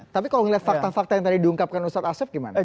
tapi kalau ngelihat fakta fakta yang tadi diungkapkan ustaz asyaf gimana